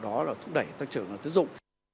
đó là thúc đẩy tăng trưởng và tiến dụng